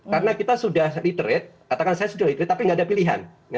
karena kita sudah literate katakan saya sudah literate tapi tidak ada pilihan